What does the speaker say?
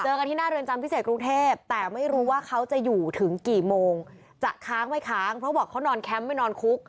กันที่หน้าเรือนจำพิเศษกรุงเทพแต่ไม่รู้ว่าเขาจะอยู่ถึงกี่โมงจะค้างไม่ค้างเพราะบอกเขานอนแคมป์ไม่นอนคุก